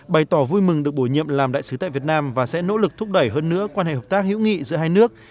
bày tỏ vui mừng được bổ nhiệm làm đại sứ tại việt nam và sẽ nỗ lực thúc đẩy hơn nữa quan hệ hợp tác hữu nghị giữa hai nước